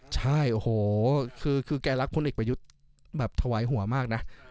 ใช่โอ้โหคือแกรักพลเอกประยุทธ์แบบถวายหัวมากนะ